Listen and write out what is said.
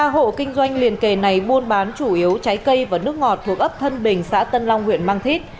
ba hộ kinh doanh liền kề này buôn bán chủ yếu trái cây và nước ngọt thuộc ấp thân bình xã tân long huyện mang thít